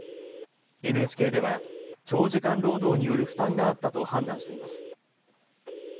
ＮＨＫでは長時間労働による負担があったと判断しています。